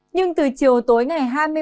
nhưng từ chiều tối ngày hai mươi một